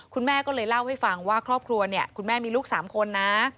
คุณแม่ก็เลยเล่าให้ฟังว่าครอบครัวเนี่ยคุณแม่มีลูก๓คนนะ